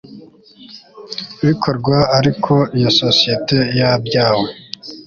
bikorwa ariko iyo sosiyete yabyawe